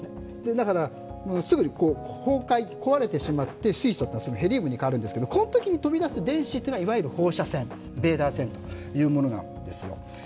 だからすぐに崩壊、壊れてしまって水素はヘリウムに変わるんですけどこのときに飛び出す電子というのがいわゆる放射線、β線というのがあるんですよ。